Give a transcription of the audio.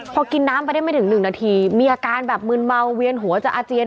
พอกินน้ำไปได้ไม่ถึง๑นาทีมีอาการแบบมืนเมาเวียนหัวจะอาเจียน